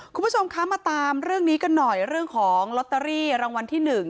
คุณผู้ชมคะมาตามเรื่องนี้กันหน่อยเรื่องของลอตเตอรี่รางวัลที่๑